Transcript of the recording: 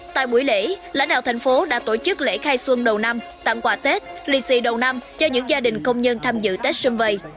tại buổi lễ lãnh đạo thành phố đã tổ chức lễ khai xuân đầu năm tặng quà tết lì xì đầu năm cho những gia đình công nhân tham dự tết xuân vầy